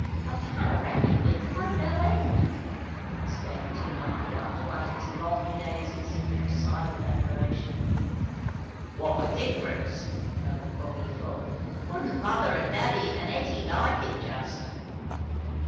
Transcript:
"A panoramy without no end!" exclaimed Tim Lumpy after one of his long gazes of silent admiration. "Wot a diff'rence!" murmured Bobby Frog. "Wouldn't mother an' daddy an' Hetty like it, just!"